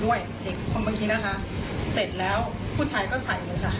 เด็กคนเมื่อกี้นะคะเสร็จแล้วผู้ชายก็ใส่เลยค่ะ